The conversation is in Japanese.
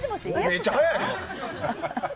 めっちゃ早いやん。